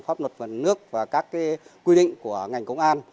pháp luật về nước và các quy định của ngành công an